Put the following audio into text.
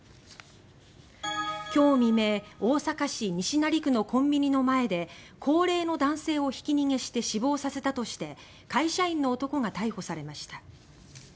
今日未明大阪市西成区のコンビニの前で高齢の男性をひき逃げして死亡させたとして会社員の男が逮捕されました。